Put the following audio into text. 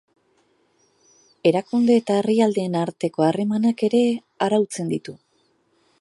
Erakunde eta herrialdeen arteko harremanak ere arautzen ditu.